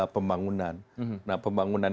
pembangunan nah pembangunan